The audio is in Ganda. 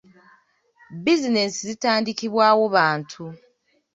Bizinensi zitandikibwawo bantu.